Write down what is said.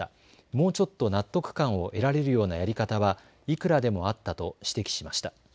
もうちょっと納得感を得られるようなやり方はいくらでもあったと指摘しました。